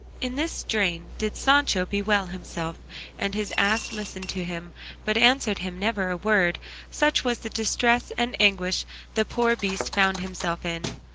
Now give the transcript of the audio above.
In this strain did Sancho bewail himself, and his ass listened to him, but answered him never a word, such was the distress and anguish the poor beast found himself in.